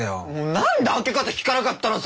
なんで開け方聞かなかったのさ！